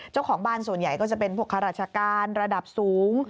เจ้าของบ้านส่วนใหญ่ก็จะเป็นพวกข้าราชการระดับสูง